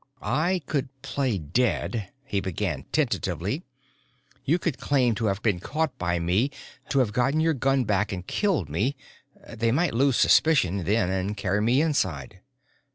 "I could play dead," he began tentatively. "You could claim to have been caught by me, to have gotten your gun back and killed me. They might lose suspicion then and carry me inside."